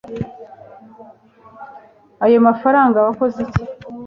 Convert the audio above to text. Ayo mafaranga wakoze iki